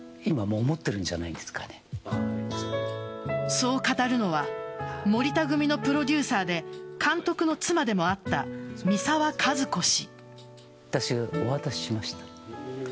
そう語るのは森田組のプロデューサーで監督の妻でもあった三沢和子氏。